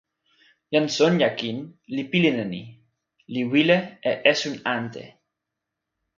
jan Sonja kin li pilin e ni, li wile e esun ante.